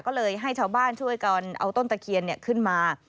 ก็เลยให้ชาวบ้านช่วยกันเอาต้นตะเคียนขึ้นมา